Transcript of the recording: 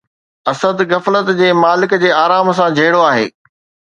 اسد غفلت جي مالڪ جي آرام سان جهيڙو آهي!